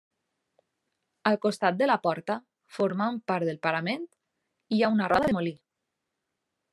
Al costat de la porta, formant part del parament hi ha una roda de molí.